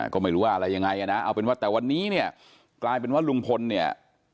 ก็ไม่รู้ว่าอะไรยังไงนะเอาเป็นว่าแต่วันนี้เนี่ยกลายเป็นว่าลุงพลเนี่ย